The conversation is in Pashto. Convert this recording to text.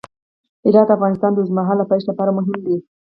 هرات د افغانستان د اوږدمهاله پایښت لپاره مهم دی.